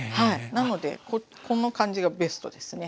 なのでこの感じがベストですね。